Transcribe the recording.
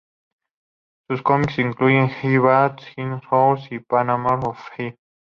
Sus cómics incluyen "Hell Baby", "Hino Horrors" y "Panorama of Hell".